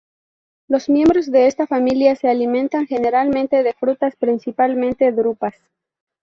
Los miembros de esta familia se alimentan generalmente de frutas, principalmente drupas.